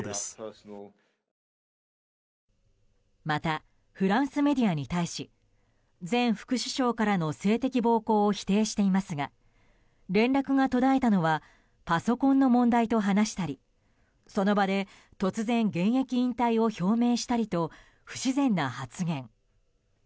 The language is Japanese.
また、フランスメディアに対し前副首相からの性的暴行を否定していますが連絡が途絶えたのはパソコンの問題と話したりその場で突然、現役引退を表明したりと不自然な発言。